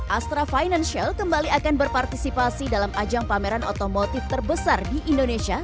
astra financial kembali akan berpartisipasi dalam ajang pameran otomotif terbesar di indonesia